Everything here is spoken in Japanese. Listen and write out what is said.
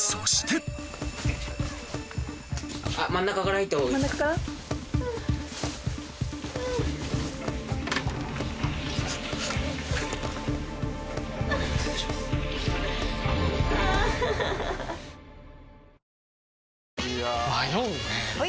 いや迷うねはい！